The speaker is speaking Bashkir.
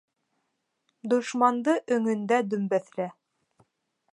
Дошманды өңөндә дөмбәҫлә.